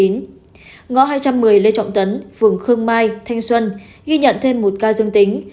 ngõ hai trăm một mươi lê trọng tấn phường khương mai thanh xuân ghi nhận thêm một ca dương tính